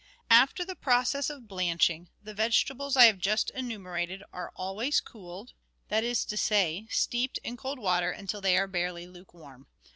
After the process of blanching, the vegetables I have just enumerated are always cooled — that is to say, steeped in cold water until they are barely lukewarm.